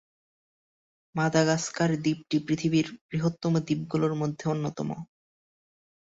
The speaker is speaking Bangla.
মাদাগাস্কার দ্বীপটি পৃথিবীর বৃহত্তম দ্বীপগুলোর মধ্যে অন্যতম।